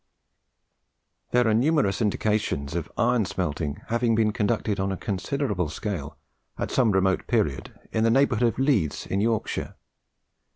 There are numerous indications of iron smelting having been conducted on a considerable scale at some remote period in the neighbourhood of Leeds, in Yorkshire.